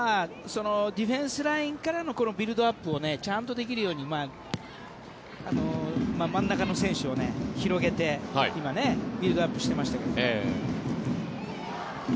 ディフェンスラインからのビルドアップをちゃんとできるように真ん中の選手を広げて今ビルドアップしてましたけど。